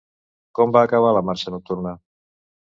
Com va acabar la marxa nocturna?